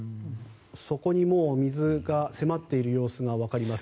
そこにもう水が迫っている様子が分かります。